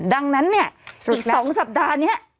ดังนั้นเนี่ยอีก๒สัปดาห์นี้